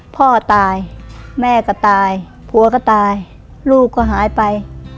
พ่อตายแม่ก็ตายผัวก็ตายลูกก็หายไป